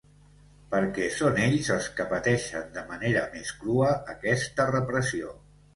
Perquè són ells els que pateixen de manera més crua aquesta repressió.